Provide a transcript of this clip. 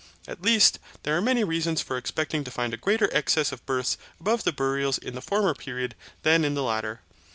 At least there are many reasons for expecting to find a greater excess of births above the burials in the former period than in the latter.